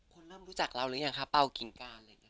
คุณเริ่มรู้จักเราหรือยังคะเป้ากินการเลยค่ะ